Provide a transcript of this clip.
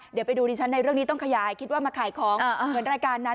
เดี๋ยวไปดูดิฉันในเรื่องนี้ต้องขยายคิดว่ามาขายของเหมือนรายการนั้น